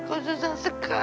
kau susah sekali